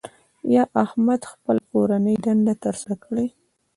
ایا احمد خپله کورنۍ دنده تر سره کوي؟